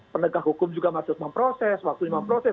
penegak hukum juga masih memproses waktunya memproses